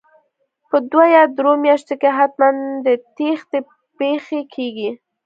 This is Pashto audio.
په دوو یا درو میاشتو کې حتمن د تېښتې پېښې کیږي